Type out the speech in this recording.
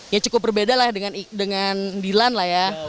ya cukup berbeda lah dengan dilan lah ya